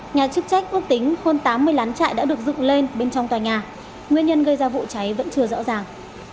nhà chức trách ước tính hơn tám mươi lán trại đã được dựng lên bên trong tòa nhà nguyên nhân gây ra vụ cháy vẫn chưa rõ ràng